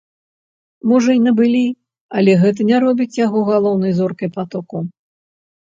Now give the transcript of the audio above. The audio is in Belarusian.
Можа і набылі, але гэта не робіць яго галоўнай зоркай патоку.